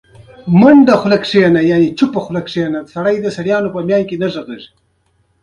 د افغانستان د اقتصادي پرمختګ لپاره پکار ده چې عمل وکړو.